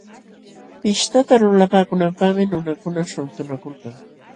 Pishtata lulpaakunanpaqmi nunakuna shuntunakulka.